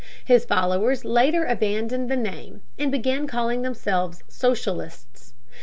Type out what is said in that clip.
His followers later abandoned the name, and began calling themselves socialists.